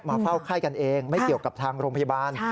เฝ้าไข้กันเองไม่เกี่ยวกับทางโรงพยาบาล